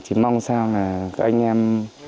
chỉ mong sao là các anh em